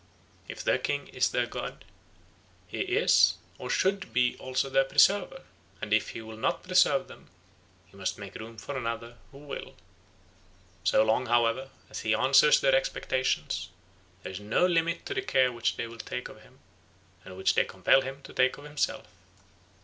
If their king is their god, he is or should be also their preserver; and if he will not preserve them, he must make room for another who will. So long, however, as he answers their expectations, there is no limit to the care which they take of him, and which they compel him to take of himself.